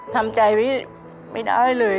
ทำใจไม่ได้เลย